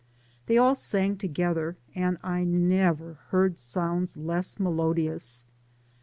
'They all sang together, and I never heard sounds less melodious.